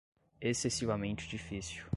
excessivamente difícil